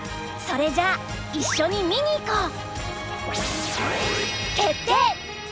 それじゃあ一緒に見にいこう。